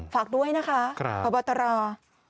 ฝากด้วยนะคะพระบัตราครับ